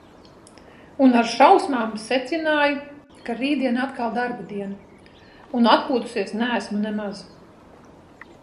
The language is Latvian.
Un ar šausmām secināju, ka rītdien atkal darba diena. Un atpūtusies neesmu nemaz.